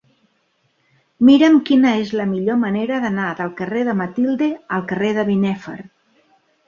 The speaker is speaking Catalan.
Mira'm quina és la millor manera d'anar del carrer de Matilde al carrer de Binèfar.